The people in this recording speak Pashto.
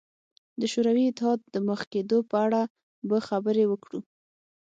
د شوروي اتحاد د مخ کېدو په اړه به خبرې وکړو.